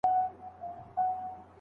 کله چي مقابل اړخ عذر وکړي.